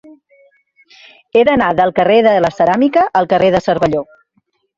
He d'anar del carrer de la Ceràmica al carrer de Cervelló.